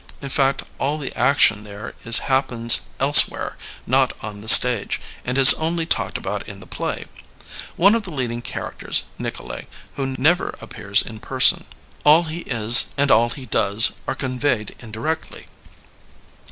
In fact all the action there is happens elsewhere, not on the stage, and is only talked about in the play. One of the leading characters, Nikolay, never ap pears in person. All he is and all he does are con veyed indirectly.